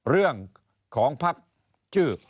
เรื่องของภัพดิ์ชื่อ